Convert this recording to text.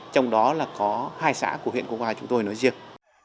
trong đó là có hai xã của huyện quốc oai chúng tôi nói riêng